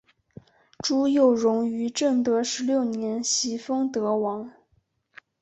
朱佑榕于正德十六年袭封德王。